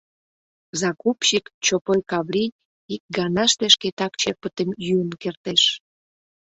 Закупщик Чопой Каври ик ганаште шкетак черпытым йӱын кертеш.